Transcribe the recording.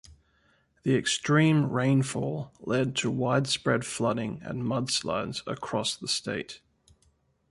The extreme rainfall led to widespread flooding and mudslides across the state.